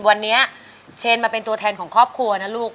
วันนี้เชนมาเป็นตัวแทนของครอบครัวนะลูก